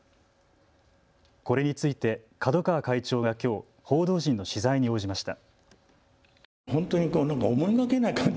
これについて角川会長がきょう報道陣の取材に応じました。